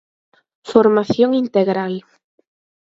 Formación integral.